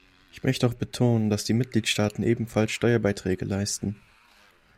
Ich möchte auch betonen, dass die Mitgliedstaaten ebenfalls Steuerbeiträge leisten.